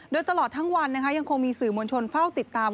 โดยตลอดทั้งวันยังคงมีสื่อมวลชนเฝ้าติดตาม